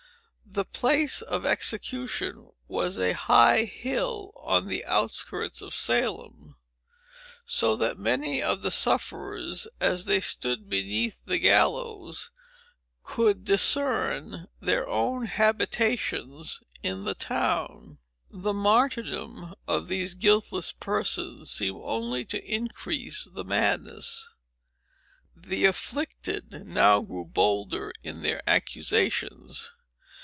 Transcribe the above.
The place of execution was a high hill, on the outskirts of Salem; so that many of the sufferers, as they stood beneath the gallows, could discern their own habitations in the town. The martyrdom of these guiltless persons seemed only to increase the madness. The afflicted now grew bolder in their accusations.